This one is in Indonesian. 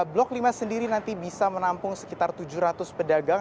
blok lima sendiri nanti bisa menampung sekitar tujuh ratus pedagang